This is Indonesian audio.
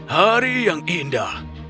hari yang indah